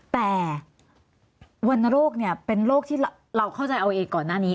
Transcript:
แต่วันโรคเนี่ยเป็นโรคที่เราเข้าใจเอาเองก่อนหน้านี้